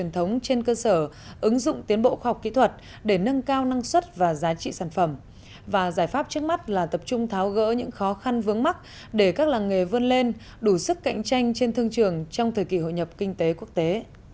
trước mắt là tập trung tháo gỡ những khó khăn vướng mắt để các làng nghề vươn lên đủ sức cạnh tranh trên thương trường trong thời kỳ hội nhập kinh tế quốc tế